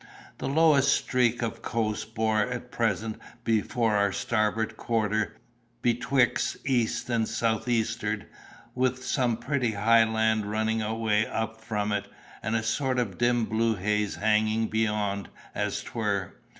The lowest streak of coast bore at present before our starboard quarter, betwixt east and south east'ard, with some pretty high land running away up from it, and a sort of dim blue haze hanging beyond, as 'twere.